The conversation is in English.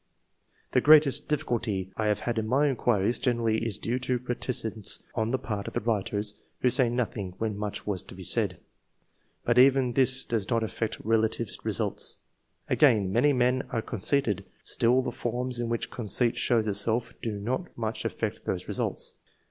The greatest difl&culty I have had in my inquiries generally is due to reticence on the part of the writers, who say nothing when much was to be said ; but even this does not affect relative results. Again, many men are conceited ; still the forms in which conceit shows itself do not much affect those results.